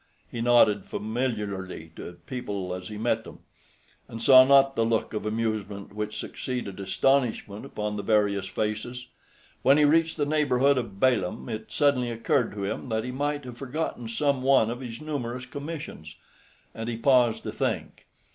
He nodded familiarly to people as he met them, and saw not the look of amusement which succeeded astonishment upon the various faces. When he reached the neighborhood of Balaam it suddenly occurred to him that he might have forgotten some one of his numerous commissions, and he paused to think.